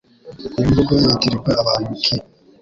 iyo mvugo yitirirwa bantu ki